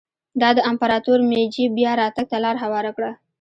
دا د امپراتور مېجي بیا راتګ ته لار هواره کړه.